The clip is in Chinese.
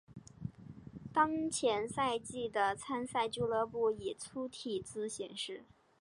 当前赛季的参赛俱乐部以粗体字显示。